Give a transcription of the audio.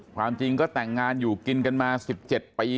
ความจริงก็แต่งงานอยู่กินกันมา๑๗ปี